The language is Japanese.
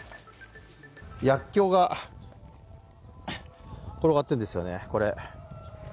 薬きょうが転がってんですよね。